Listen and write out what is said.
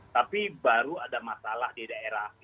tapi baru ada masalah di daerah